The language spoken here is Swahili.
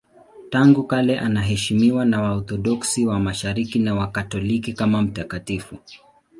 Tangu kale anaheshimiwa na Waorthodoksi wa Mashariki na Wakatoliki kama mtakatifu.